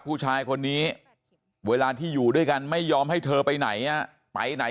ผู้ชายคนนี้เวลาที่อยู่ด้วยกันไม่ยอมให้เธอไปไหนไปไหน